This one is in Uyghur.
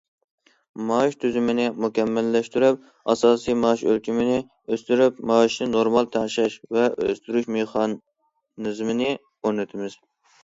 مائاش تۈزۈمىنى مۇكەممەللەشتۈرۈپ، ئاساسىي مائاش ئۆلچىمىنى ئۆستۈرۈپ، مائاشنى نورمال تەڭشەش ۋە ئۆستۈرۈش مېخانىزمىنى ئورنىتىمىز.